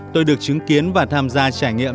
tôi được chứng kiến và tham gia trải nghiệm